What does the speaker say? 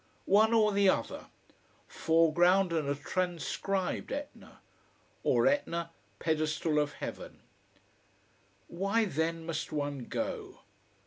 One or the other. Foreground and a transcribed Etna. Or Etna, pedestal of heaven. Why, then, must one go?